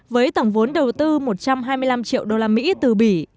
với tổng vốn đầu tư một trăm hai mươi năm triệu đô la mỹ từ bỉ